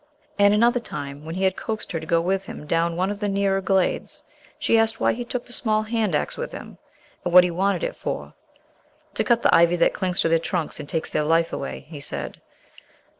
And another time, when he had coaxed her to go with him down one of the nearer glades, she asked why he took the small hand axe with him, and what he wanted it for. "To cut the ivy that clings to the trunks and takes their life away," he said.